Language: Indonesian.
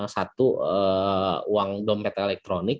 satu uang dompet elektronik